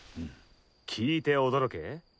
聞いて驚け。